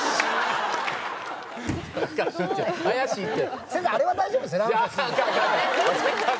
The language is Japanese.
怪しいって！